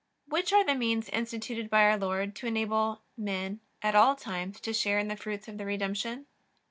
Which are the means instituted by our Lord to enable men at all times to share in the fruits of the Redemption?